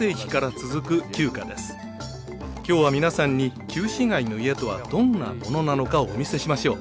今日は皆さんに旧市街の家とはどんなものなのかをお見せしましょう。